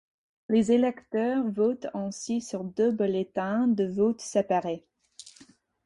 Les électeurs votent ainsi sur deux bulletins de vote séparés.